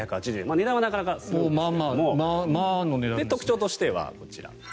値段はなかなかするんですけど特徴としてはこちら。